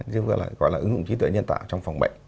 điều vừa là gọi là ứng dụng trí tuệ nhân tạo trong phòng bệnh